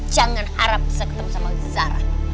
jangan harap bisa ketemu sama zara